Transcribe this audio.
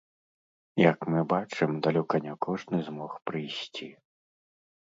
Як мы бачым, далёка не кожны змог прыйсці.